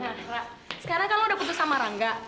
nah ra sekarang kan lo udah putus sama rangga